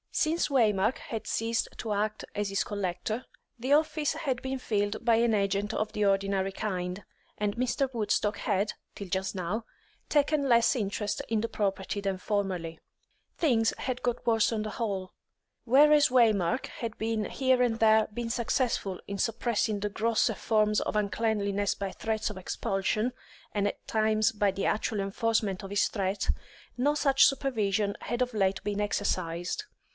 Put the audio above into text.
Since Waymark had ceased to act as his collector, the office had been filled by an agent of the ordinary kind, and Mr. Woodstock had, till just now, taken less interest in the property than formerly. Things had got worse on the whole. Whereas Waymark had here and there been successful in suppressing the grosser forms of uncleanliness by threats of expulsion, and at times by the actual enforcement of his threat, no such supervision had of late been exercised.